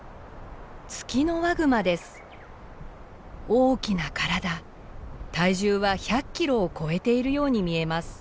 大きな体体重は１００キロを超えているように見えます。